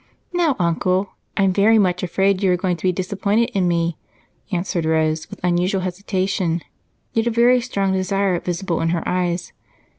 "Now, Uncle, I'm very much afraid you are going to be disappointed in me," answered Rose with unusual hesitation yet a very strong desire visible in her eyes.